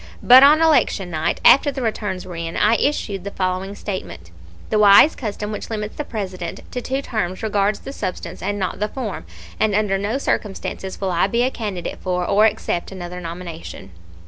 But on election night, after the returns were in I issued the following statement: "The wise custom which limits the President to two terms regards the substance and not the form, and under no circumstances will I be a candidate for or accept another nomination."